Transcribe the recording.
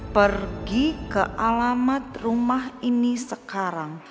pergi ke alamat rumah ini sekarang